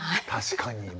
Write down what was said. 確かに。